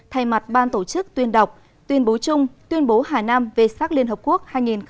thay mặt ban tổ chức tuyên đọc tuyên bố chung tuyên bố hà nam về sắc liên hợp quốc hai nghìn một mươi chín